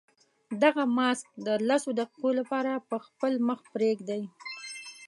دغه ماسک د لسو دقیقو لپاره په خپل مخ پرېږدئ.